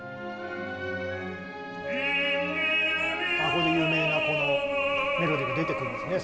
ここで有名なこのメロディーが出てくるんですね